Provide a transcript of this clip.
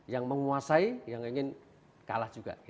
yang menguasai yang ingin kalah juga